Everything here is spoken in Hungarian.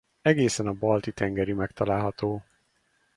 Egészen a Balti-tengerig megtalálható.